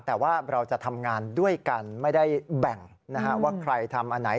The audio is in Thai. แต่ว่าเราจะทำงานด้วยกันไม่ได้แบ่งว่าใครทำอันไหน